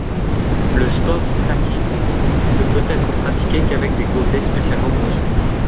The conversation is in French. Le Sport Stacking ne peut être pratiqué qu'avec des gobelets spécialement conçus.